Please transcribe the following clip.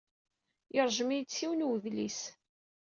Yeṛjem-iyi-d s yiwen n udlis.